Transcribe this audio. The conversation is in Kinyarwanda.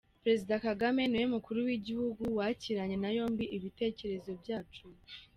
Perezida Kagame ni we mukuru w’igihugu wakiranye na yombi ibitekerezo byacu.